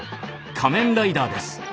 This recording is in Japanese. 仮面ライダーです。